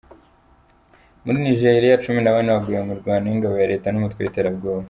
Muri nijeriya cumi nabane baguye mu mirwano y’ingabo za Leta numutwe witera bwoba